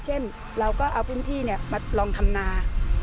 เช่นเราก็เอาพื้นที่มาลองทำนา